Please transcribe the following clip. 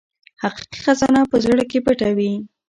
حقیقي خزانه په زړه کې پټه وي.